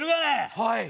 はい！